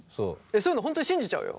そういうの本当に信じちゃうよ？